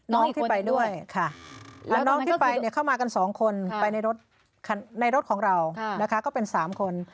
น้องที่ไปด้วยค่ะน้องที่ไปเข้ามากันสองคนไปในรถของเรานะคะก็เป็นสามคน